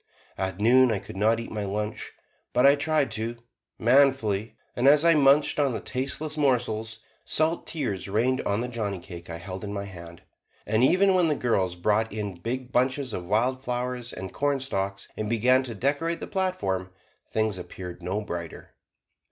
At noon I could not eat my lunch, but I tried to, manfully, and as I munched on the tasteless morsels, salt tears rained on the johnnycake I held in my hand. And even when the girls brought in big bunches of wild flowers and cornstalks, and began to decorate the platform, things appeared no brighter.